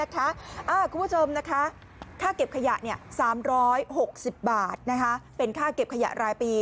คุณผู้ชมนะคะค่าเก็บขยะ๓๖๐บาทเป็นค่าเก็บขยะรายปี